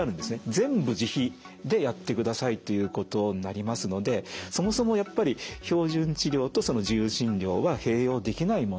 全部自費でやってくださいということになりますのでそもそもやっぱり標準治療とその自由診療は併用できないもの。